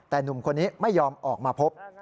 แต่หนุ่มคนนี้ไม่ยอมออกมาพบ